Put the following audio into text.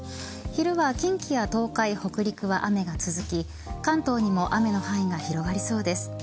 昼は、近畿や東海、北陸は雨が続き、関東にも雨の範囲が広がりそうです。